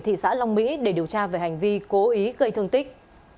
thị xã long mỹ để điều tra về hành vi cố ý gây thương tích